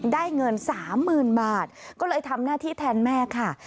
ได้เงิน๓๐๐๐บาทก็เลยทำหน้าที่แทนแม่ค่ะ